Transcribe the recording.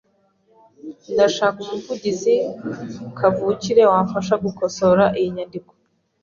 Ndashaka umuvugizi kavukire wamfasha gukosora iyi nyandiko.